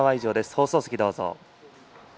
放送席どうぞ。